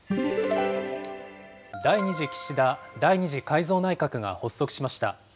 第２次岸田第２次改造内閣が発足しました。